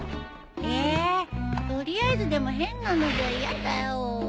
えっ取りあえずでも変なのじゃ嫌だよ。